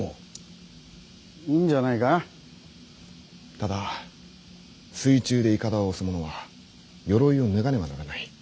ただ水中でいかだを押す者は鎧を脱がねばならない。